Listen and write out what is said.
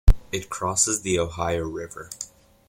It crosses the Ohio River.